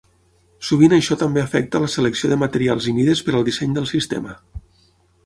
Sovint això també afecta la selecció de materials i mides per al disseny del sistema.